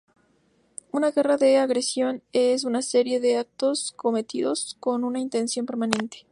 Una guerra de agresión es una serie de actos cometidos con una intención permanente.